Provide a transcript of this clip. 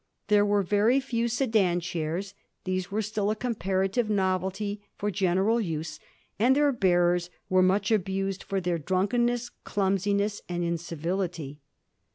There were very few sedan chairs; these were still a comparative novelty for general use, and their bearers are much abused for their drunkenness, clumsiness, and incivility.